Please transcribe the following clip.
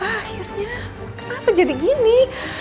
akhirnya kenapa jadi gini